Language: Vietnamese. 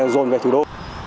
rồn về thủ đô